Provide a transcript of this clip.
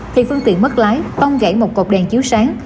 thì phương tiện mất lái tông gãy một cột đèn chiếu sáng